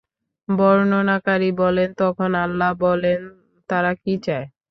বর্ণনাকারী বলেন, তখন আল্লাহ বলেন, তারা কী চায়?